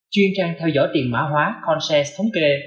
chuyên trang theo dõi tiền mã hóa concerse thống kê